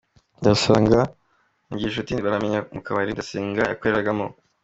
Ndasenga na Ngirinshuti bamenyaniye mu kabari Ndasenga yakoreragamo.